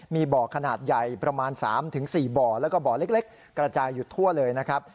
มีบ่อขนาดใหญ่ประมาณ๓๔บ่อแล้วก็บ่อเล็กกระจายอยู่ทั่วเลยนะครับ